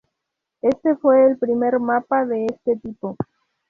Este fue el primer mapa de este tipo.